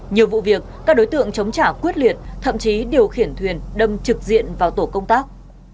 nhiều vụ việc các đối tượng chống trả quyết liệt thậm chí điều khiển thuyền đâm trực diện vào tổ công tác